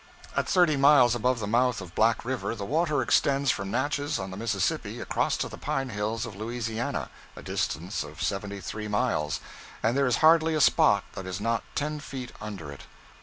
At thirty miles above the mouth of Black River the water extends from Natchez on the Mississippi across to the pine hills of Louisiana, a distance of seventy three miles, and there is hardly a spot that is not ten feet under it.